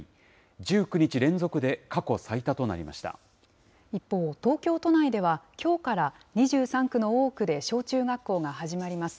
１９日連続で過去最多となりまし一方、東京都内ではきょうから２３区の多くで小中学校が始まります。